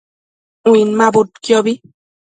Uinmabudquiobi